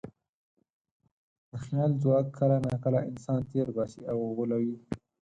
د خیال ځواک کله ناکله انسان تېر باسي او غولوي.